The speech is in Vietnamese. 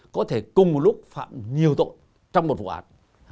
có thể cùng một lúc phạm nhiều tội trong một vụ án